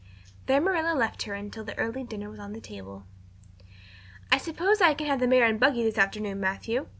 There Marilla left her until the early dinner was on the table. "I suppose I can have the mare and buggy this afternoon, Matthew?"